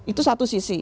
itu satu sisi